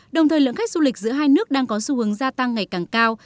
đồng thời lượng khách du lịch giữa hai nước đang có xu hướng gia tăng ngày càng cao